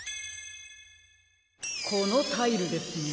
このタイルですね。